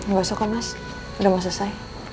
ga suka mas udah gak selesai